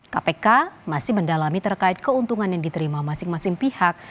kpk masih mendalami terkait keuntungan yang diterima masing masing pihak